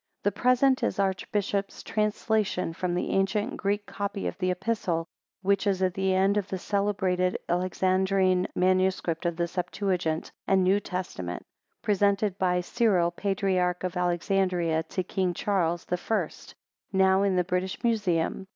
The present is the Archbishop's translation from the ancient Greek copy of the Epistle, which is at the end of the celebrated Alexandrine MS. of the Septuagint and New Testament, presented by Cyril, patriarch of Alexandria, to King Charles the First, now in the British Museum.